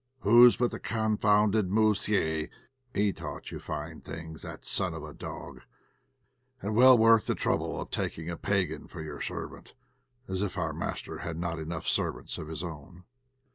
Whose but the confounded 'moussié;' he taught you fine things, that son of a dog, and well worth the trouble of taking a Pagan for your servant, as if our master had not had enough servants of his own!"